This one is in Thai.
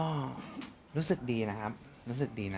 ก็รู้สึกดีนะครับรู้สึกดีนะ